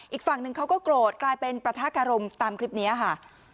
อีกฝั่งหนึ่งเขาก็โกรธกลายเป็นประทะคารมตามคลิปนี้ค่ะ